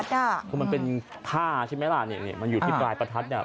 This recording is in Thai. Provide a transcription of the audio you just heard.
คือมันเป็นผ้าใช่ไหมล่ะนี่มันอยู่ที่ปลายประทัดเนี่ย